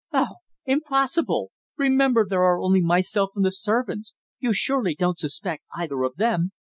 "Oh! Impossible! Remember there are only myself and the servants. You surely don't suspect either of them?"